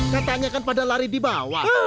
katanya kan pada lari di bawah